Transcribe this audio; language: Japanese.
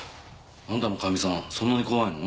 あんたのかみさんそんなに怖いの？